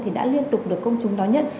thì đã liên tục được công chúng đón nhận